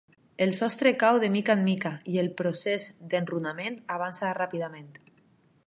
El sostre cau de mica en mica i el procés d’enrunament avança ràpidament.